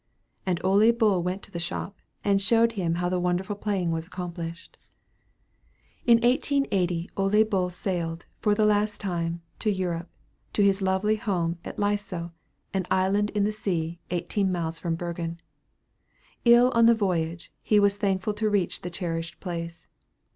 And Ole Bull went to the shop, and showed him how the wonderful playing was accomplished. In 1880 Ole Bull sailed, for the last time, to Europe, to his lovely home at Lysö, an island in the sea, eighteen miles from Bergen. Ill on the voyage, he was thankful to reach the cherished place.